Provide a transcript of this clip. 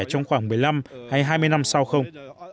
trong khoảng một mươi năm hay hai mươi năm sau không